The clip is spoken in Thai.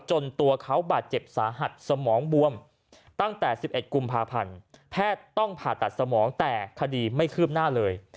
ตัวเขาบาดเจ็บสาหัสสมองบวมตั้งแต่๑๑กุมภาพันธ์แพทย์ต้องผ่าตัดสมองแต่คดีไม่คืบหน้าเลย